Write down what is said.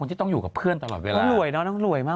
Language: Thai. น้องหน่อยน่ะน้องหน่อยมาก